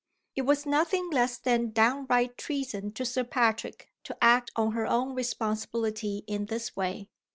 It was nothing less than downright treason to Sir Patrick to act on her own responsibility in this way.